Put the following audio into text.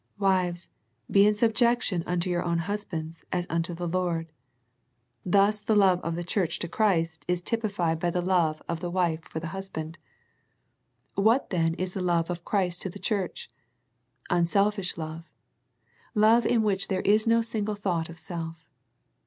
" Wives, be in subjection unto your own husbands, as unto the Lord." Thus the love of the Church to Christ is typified by 42 A First Century Message the love of the wife for the husband. What then is the love of Christ to the Church? Unselfish love, love in which there was no single thought of self.